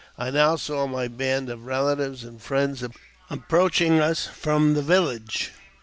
I now saw my band of relatives and friends approaching us from the: village.